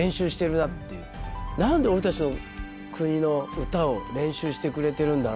「何で俺たちの国の歌を練習してくれてるんだろ？